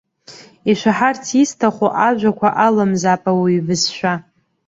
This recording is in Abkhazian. Ишәаҳарц исҭаху ажәақәа аламзаап ауаҩы ибызшәа.